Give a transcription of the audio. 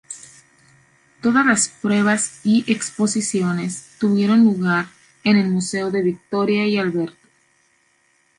Todas las pruebas y exposiciones tuvieron lugar en el Museo de Victoria y Alberto.